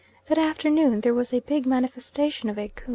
That afternoon there was a big manifestation of Ikun.